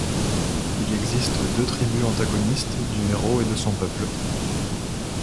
Il existe deux tribus antagonistes du héros et de son peuple.